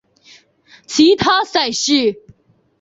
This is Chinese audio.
其他赛事